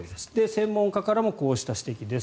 専門家からもこうした指摘です。